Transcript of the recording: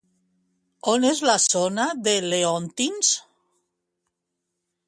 On és la zona de Leontins?